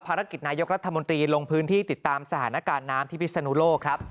ภารกิจนายกรัฐมนตรีลงพื้นที่ติดตามสถานการณ์น้ำที่พิศนุโลกครับ